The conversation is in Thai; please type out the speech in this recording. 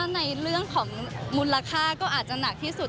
ในเรื่องของมูลค่าก็อาจจะหนักที่สุด